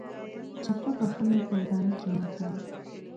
چپه پښه مې په ورانه کښې ماته وه.